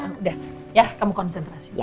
udah ya kamu konsentrasi ya